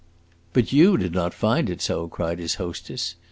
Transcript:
"But you did not find it so!" cried his hostess.